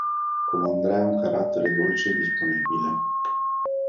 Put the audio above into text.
Come Andrea ha un carattere dolce e disponibile.